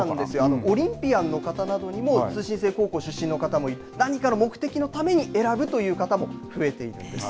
オリンピアンの方などにも通信制高校出身の方も何かの目的のために選ぶという方も増えているんです。